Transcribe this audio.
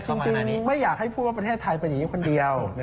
จริงไม่อยากให้พูดว่าประเทศไทยเป็นอย่างนี้คนเดียว